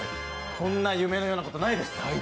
こんな夢のようなことないです。